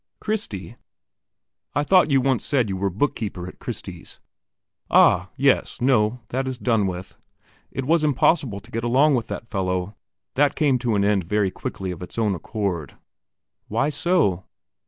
"Christie?" "I thought you once said you were book keeper at Christie's?" "Ah, yes. No; that is done with. It was impossible to get along with that fellow; that came to an end very quickly of its own accord." "Why so?"